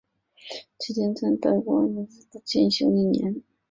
期间曾于德国佛莱堡大学进修一年。